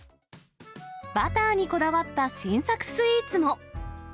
バターにこだわった新作スイーツも。